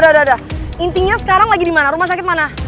udah udah udah intinya sekarang lagi dimana rumah sakit mana